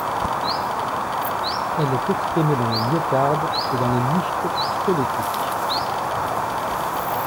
Elle est exprimée dans le myocarde et dans les muscles squelettiques.